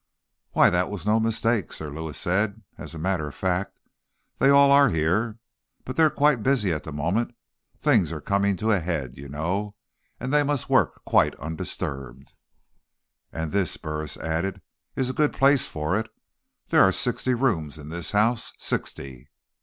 "Why, that was no mistake," Sir Lewis said. "As a matter of fact, they are all here. But they're quite busy at the moment; things are coning to a head, you know, and they must work quite undisturbed." "And this," Burris added, "is a good place for it. There are sixty rooms in this house. Sixty."